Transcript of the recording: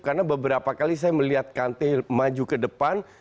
karena beberapa kali saya melihat kante maju ke depan